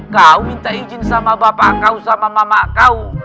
kau minta izin sama bapak kau sama mama kau